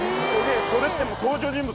それって登場人物